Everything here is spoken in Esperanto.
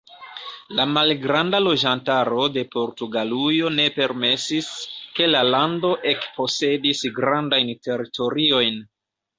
La malgranda loĝantaro de Portugalujo ne permesis, ke la lando ekposedis grandajn teritoriojn.